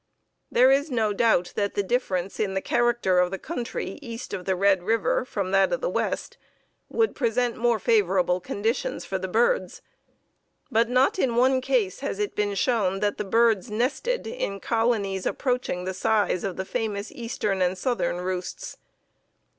There is no doubt that the difference in the character of the country east of the Red River from that of the west would present more favorable conditions for the birds, but not in one case has it been shown that the birds nested in colonies approaching the size of the famous eastern and southern roosts.